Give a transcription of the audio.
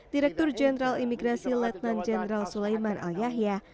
direktur jenderal imigrasi letnan jenderal sulaiman al yahya